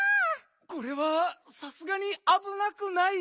これはさすがにあぶなくない？